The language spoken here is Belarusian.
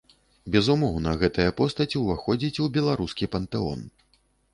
Безумоўна, гэтая постаць уваходзіць у беларускі пантэон.